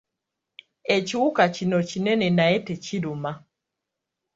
Ekiwuka kino kinene naye tekiruma.